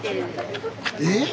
えっ⁉